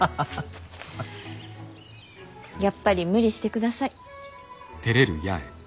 やっぱり無理してください。